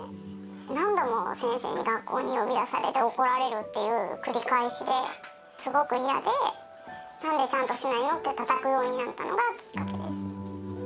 何度も先生に学校に呼び出されて怒られるっていう繰り返しで、すごく嫌で、なんでちゃんとしないのって、たたくようになったのがきっかけです。